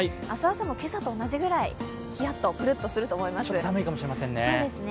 明日朝も今朝と同じぐらい、ひやっと、ぶるっとすると思います。